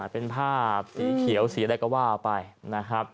เป็นภาพสีเขียวสีอะไรก็ว่าไปนะครับ